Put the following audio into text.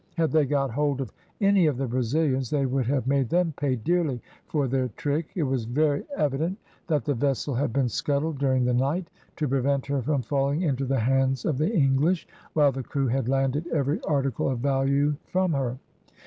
Had they got hold of any of the Brazilians they would have made them pay dearly for their trick. It was very evident that the vessel had been scuttled during the night, to prevent her from falling into the hands of the English, while the crew had landed every article of value from her.